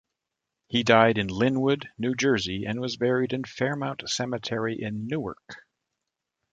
He died in Linwood, New Jersey, and was buried in Fairmount Cemetery, in Newark.